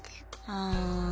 ああ。